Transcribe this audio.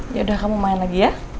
ya udah kamu main lagi ya